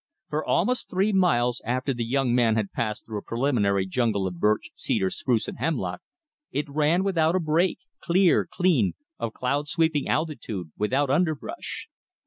For almost three miles, after the young man had passed through a preliminary jungle of birch, cedar, spruce, and hemlock, it ran without a break, clear, clean, of cloud sweeping altitude, without underbrush.